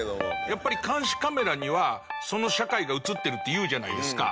やっぱり監視カメラにはその社会が映ってるっていうじゃないですか。